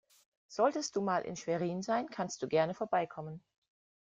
Solltest du mal in Schwerin sein, kannst du gerne vorbeikommen.